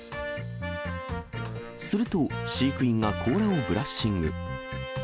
すると、飼育員が甲羅をブラッシング。